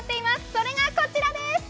それがこちらです。